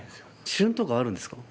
旬とかあるんですか？